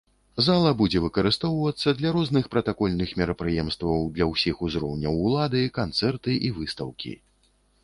Зала будзе выкарыстоўвацца для розных пратакольных мерапрыемстваў для ўсіх узроўняў улады, канцэрты і выстаўкі.